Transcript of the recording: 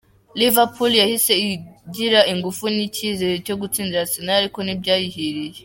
Liverpool yahise igira ingufu n'icyizere byo gutsinda Arsenal ariko ntibyayihiriye.